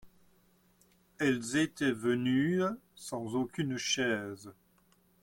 Elles étaient venus sans aucune chaise.